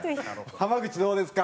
濱口どうですか？